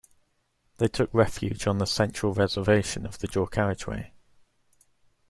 They took refuge on the central reservation of the dual carriageway